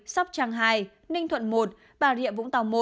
sóc trăng hai ninh thuận một bà rịa vũng tàu một